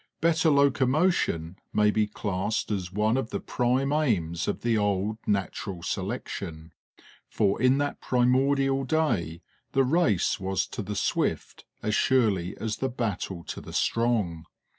Better locomotion may be classed as one of the prime aims of the old natural selection; for in that primordial day the race was to the swift as surely as the battle to the strong.